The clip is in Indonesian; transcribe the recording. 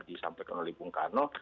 disampaikan oleh bung karno